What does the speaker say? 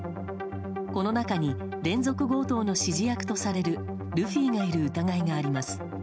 この中に連続強盗の指示役とされるルフィがいる疑いがあります。